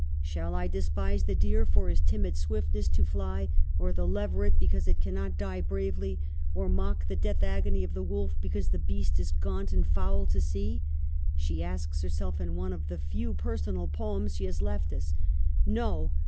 Shall I despise the deer for his timid swiftness to fly, or the leveret because it cannot die bravely, or mock the death agony of the wolf be cause the beast is gaunt and foul to see ? she asks herself in one of the few personal poems she has left us. No